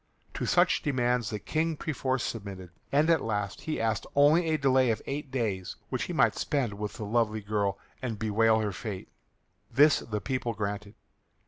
To such demands the King perforce submitted, and at last he asked only a delay of eight days which he might spend with the lovely girl and bewail her fate. This the people granted.